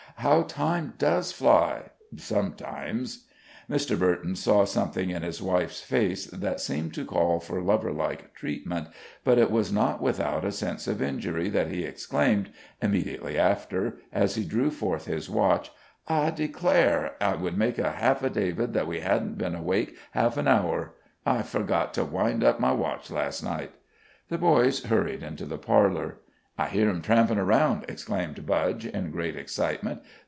"How time does fly sometimes!" Mr. Burton saw something in his wife's face that seemed to call for lover like treatment; but it was not without a sense of injury that he exclaimed, immediately after, as he drew forth his watch: "I declare! I would make an affidavit that we hadn't been awake half an hour. Ah! I forgot to wind up my watch last night." The boys hurried into the parlor. "I hear 'em trampin' around!" exclaimed Budge, in great excitement.